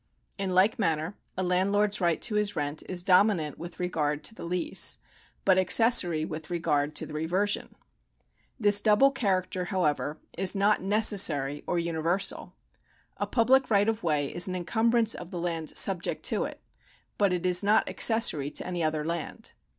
In like manner a landlord's right to his rent is domi nant with regard to the lease, but accessory with regard to the reversion. This double character, however, is not necessary or universal. , A public right of way is an encumbrance of the land subject to it, but it is not accessory to any other land.